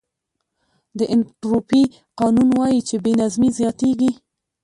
د انټروپي قانون وایي چې بې نظمي زیاتېږي.